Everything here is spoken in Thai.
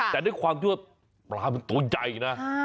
แต่ในความทั่วอาหารแผ่นนะ